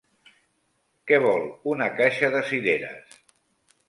Que vol una caixa de cireres!